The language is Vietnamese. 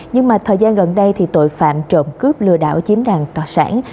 nhưng mà thời gian gần đây thì tội phạm trộm cướp lừa đảo chiếm đàn tòa sản